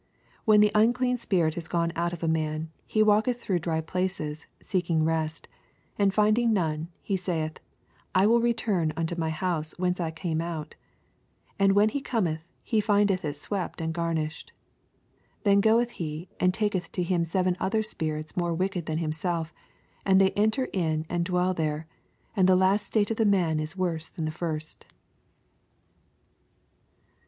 24 When tho unclean spirit is gone out of a man, he walketh through dry places, seeking rest ; and finding none, he saith, I will return unto my house whence I came out. 25 And when he cometh, he find eth it swept and garnished. 26 Then goeth he, and taketh to him seven other spirits more wicked than himself ; ana they enter in, and dwell there: and the last state oithsX man is worse than the first.